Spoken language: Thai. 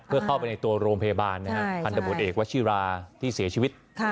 เพื่อเข้าไปในตัวโรงพยาบาลพันธบทเอกวชิราที่เสียชีวิต